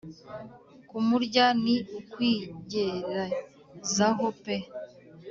kumurya ni ukwigerezaho peee